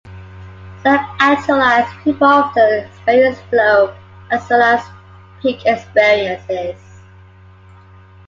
Self-actualized people often experience flow, as well as peak experiences.